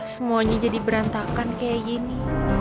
semuanya jadi berantakan kayak gini